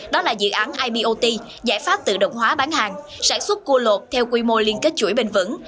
đó là dự án ipot giải pháp tự động hóa bán hàng sản xuất cua lột theo quy mô liên kết chuỗi bình vững